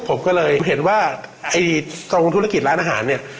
ผมก็เลยเห็นว่าไอ้ตรงธุรกิจร้านอาหารเนี่ย